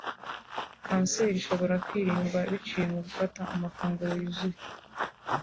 Kanseri ishobora kwirindwa biciye mu gufata amafunguro yuzuye